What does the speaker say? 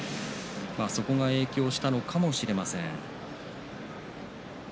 そこが影響したのかもしれません。